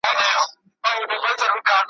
هغه لاري به تباه کړو چي رسیږي تر بېلتونه `